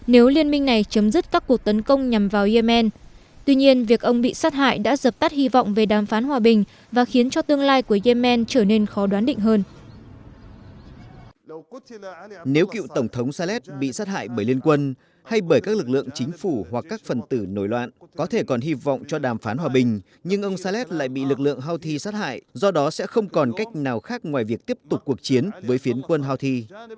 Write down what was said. nếu tổng thống saleh bị sát hại bởi liên quân hay bởi các lực lượng chính phủ hoặc các phần tử nổi loạn có thể còn hy vọng cho đàm phán hòa bình nhưng ông saleh lại bị lực lượng houthi sát hại do đó sẽ không còn cách nào khác ngoài việc tiếp tục cuộc chiến với phiến quân houthi